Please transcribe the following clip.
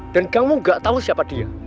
dan kamu nggak tahu siapa dia